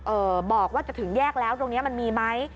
บอกว่าจะถึงแยกแล้วตรงนี้มันมีไหม